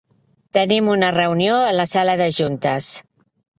Tenim una reunió a la sala de juntes.